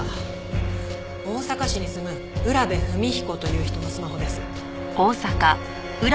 大阪市に住む占部文彦という人のスマホです。